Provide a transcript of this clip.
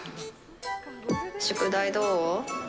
宿題どう？